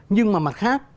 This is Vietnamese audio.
nhưng mà mặt khác